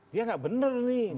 dia nggak bener nih